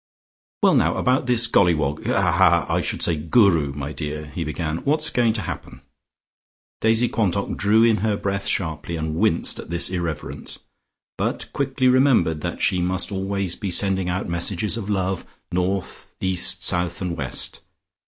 "Well, now, about this Golliwog haha I should say Guru, my dear," he began, "what's going to happen?" Daisy Quantock drew in her breath sharply and winced at this irreverence, but quickly remembered that she must always be sending out messages of love, north, east, south, and west.